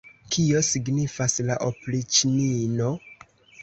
Kio signifas la opriĉnino?